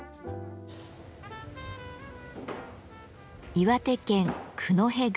岩手県九戸郡。